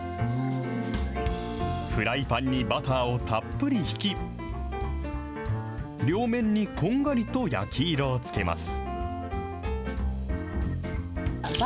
フライパンにバターをたっぷり引き、両面にこんがりと焼き色をつけます。